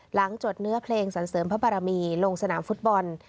จดเนื้อเพลงสันเสริมพระบารมีลงสนามฟุตบอล